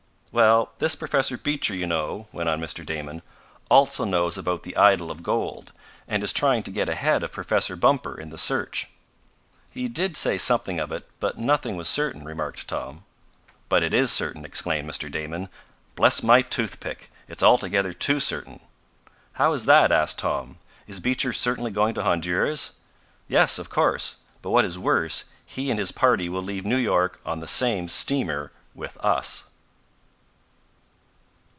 "Well, this Professor Beecher, you know," went on Mr. Damon, "also knows about the idol of gold, and is trying to get ahead of Professor Bumper in the search." "He did say something of it, but nothing was certain," remarked Tom. "But it is certain!" exclaimed Mr. Damon. "Bless my toothpick, it's altogether too certain!" "How is that?" asked Tom. "Is Beecher certainly going to Honduras?" "Yes, of course. But what is worse, he and his party will leave New York on the same steamer with us!"